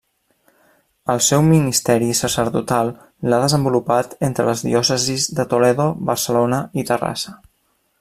El seu ministeri sacerdotal l'ha desenvolupat entre les diòcesis de Toledo, Barcelona i Terrassa.